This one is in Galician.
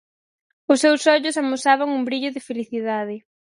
Os seus ollos amosaban un brillo de felicidade.